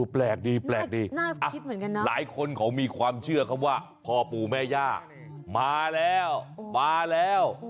แปลกดีหลายคนเขามีความเชื่อข้อว่าพ่อปู่แม่ย่ามาแล้วมาแล้ว